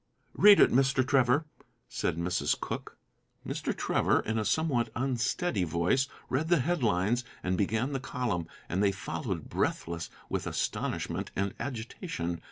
"Read it, Mr. Trevor," said Mrs. Cooke. Mr. Trevor, in a somewhat unsteady voice, read the headlines and began the column, and they followed breathless with astonishment and agitation.